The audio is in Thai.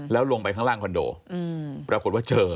แล้วลงไปข้างล่างคอนโดปรากฏว่าเจอ